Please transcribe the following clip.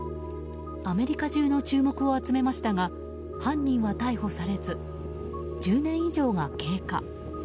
アメリカ中の注目を集めましたが犯人は逮捕されず１０年以上が経過。